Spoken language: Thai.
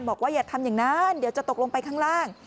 บอกว่าอย่าทำอย่างนั้นเดี๋ยวจะตกลงไปข้างล่าง